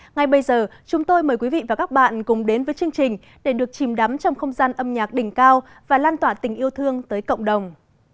ngay bây giờ chúng tôi mời quý vị và các bạn cùng đến với chương trình để được chìm đắm trong không gian âm nhạc đỉnh cao và lan tỏa tình yêu thương tới cộng đồng